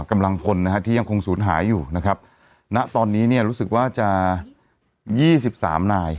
กำลังพลนะฮะที่ยังคงศูนย์หายอยู่นะครับณตอนนี้เนี่ยรู้สึกว่าจะยี่สิบสามนาย